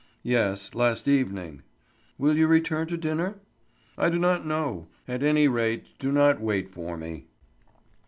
"Yes, last evening." "Will you return to dinner?" "I do not know. At any rate do not wait for me."